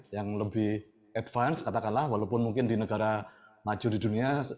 yang lebih advance katakanlah walaupun mungkin di negara maju di dunia